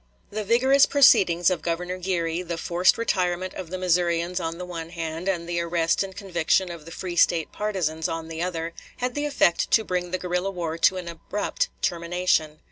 The vigorous proceedings of Governor Geary, the forced retirement of the Missourians on the one hand, and the arrest and conviction of the free State partisans on the other, had the effect to bring the guerrilla war to an abrupt termination.